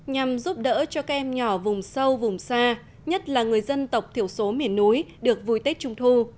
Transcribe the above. nhằm giúp đỡ cho các em nhỏ vùng sâu vùng xa nhất là người dân tộc thiểu số miền núi được vui tết trung thu